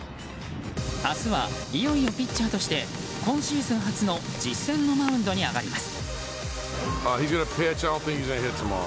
明日はいよいよピッチャーとして今シーズン初の実戦のマウンドに上がります。